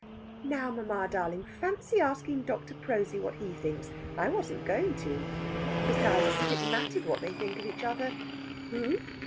"Now, mamma darling, fancy asking Dr. Prosy what he thinks! I wasn't going to. Besides, as if it mattered what they think of each other!... Who?